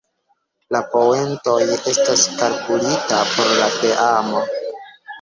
La poentoj estas kalkulitaj por la teamo.